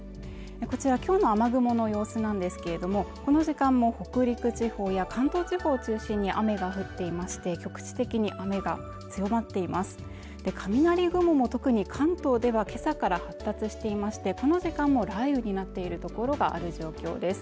こちら今日の雨雲の様子なんですけれどもこの時間も北陸地方や関東地方を中心に雨が降っていまして局地的に雨が強まっています雷雲も特に関東ではけさから発達していましてこの時間も雷雨になっている所がある状況です